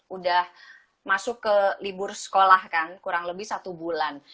udah masuk ke libur sekolah kan kurang lebih satu bulan